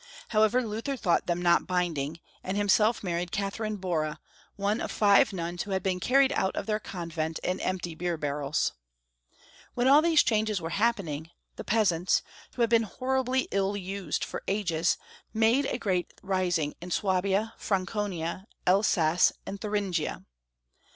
However, Luther thought them not binding, and himself married Katherine Bora, one of five nuns who had been carried out of their convent in empty beer barrels. When all these changes were happening, the peasants, who had been horriblj^ ill used for ages, made a great rising in Swabia, Franconia, Elsass, and Thuringia.